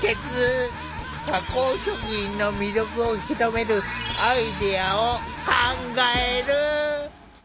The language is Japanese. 加工食品の魅力を広めるアイデアを考える。